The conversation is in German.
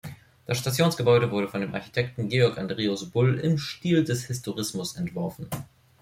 Das Stationsgebäude wurde von dem Architekten Georg Andreas Bull im Stil des Historismus entworfen.